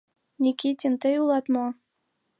— Никитин, тый улат мо?